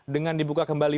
dengan dibuka kembali